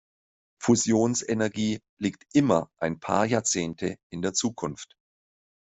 Fusionsenergie liegt immer ein paar Jahrzehnte in der Zukunft.